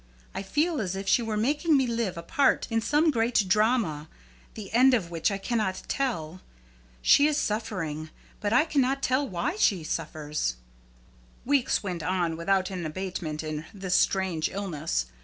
I feel as if she were making me live a part in some great drama, the end of which I cannot tell. She is suffering, but I cannot tell why she suffers." Weeks went on without an abatement in this strange illness.